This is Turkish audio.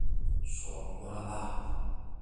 Sorun burada.